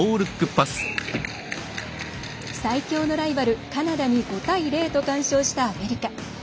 最強のライバル、カナダに５対０と完勝したアメリカ。